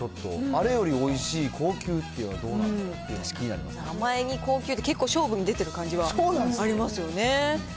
あれよりおいしい高級っていうのは、どうなのかって気になります名前に高級って、結構勝負に出てる感じはありますよね。